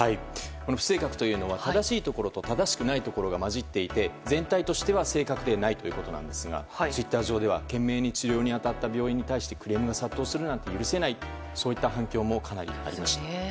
不正確というのは正しいところと正しくないところが混じっていて全体としては正確ではないということですがツイッター上では懸命に治療に当たった病院に対しクレームが殺到するなんて許せない、そういった反響もかなりありました。